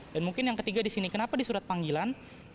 dan mungkin yang ketiga di sini kenapa di surat panggilan